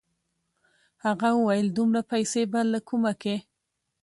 هغه وويل دومره پيسې به له کومه کې.